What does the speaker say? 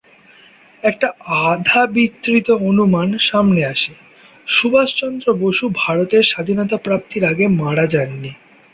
একটা আধা-বিবৃত অনুমান সামনে আসে: সুভাষচন্দ্র বসু ভারতের স্বাধীনতা প্রাপ্তির আগে মারা যাননি।